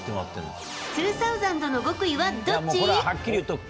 ツーサウザンドの極意はどっち？